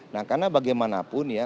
nah karena bagaimanapun ya